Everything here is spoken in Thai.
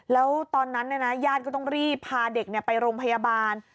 แล้วตอนนั้นญาติก็ต้องรีบพาเด็กไปโรงพยาบาล